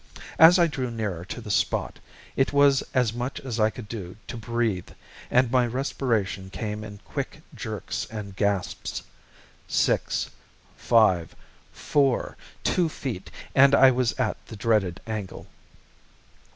As I drew nearer to the spot, it was as much as I could do to breathe, and my respiration came in quick jerks and gasps. Six, five, four, two feet and I was at the dreaded angle.